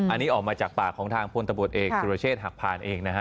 อันนี้ออกมาจากปากของทางพลตำรวจเอกสุรเชษฐหักผ่านเองนะฮะ